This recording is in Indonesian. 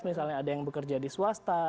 misalnya ada yang bekerja di swasta